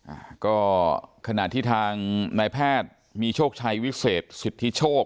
อ่าก็ขณะที่ทางนายแพทย์มีโชคชัยวิเศษสิทธิโชค